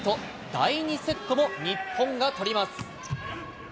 第２セットも日本が取ります。